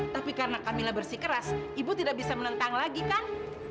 tapi karena kamilah bersih keras ibu tidak bisa menentang lagi kan